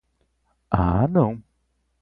Ah não